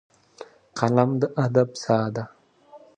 قلم د ادب ساه ده